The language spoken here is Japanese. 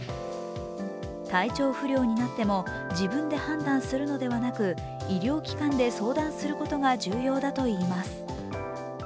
体調不良になっても自分で判断するのではなく医療機関で相談することが重要だといいます。